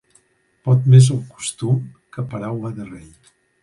Pot més el costum que paraula de rei.